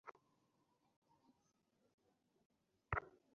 বল, বন্ধু!